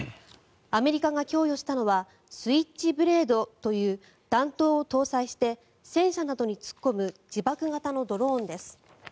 アメリカが供与したのはスイッチブレードという弾頭を搭載して戦車などに突っ込む自爆型のドローンです。